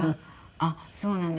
あっそうなんです。